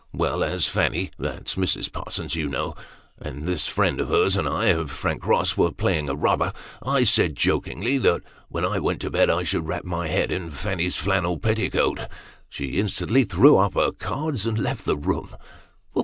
Well; as Fanny that's Mrs. Parsons, you know and this friend of hers, and I, and Frank Eoss, were playing a rubber, I said, jokingly, that when I went to bed I should wrap my head in Fanny's flannel petticoat. She instantly threw up her cards, and left the room."